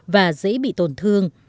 và dễ bị tổn thương